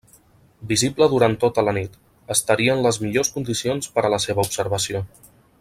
Visible durant tota la nit, estaria en les millors condicions per a la seva observació.